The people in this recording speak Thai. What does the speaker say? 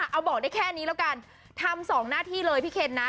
เอาบอกได้แค่นี้แล้วกันทำ๒หน้าที่เลยพี่เคนนะ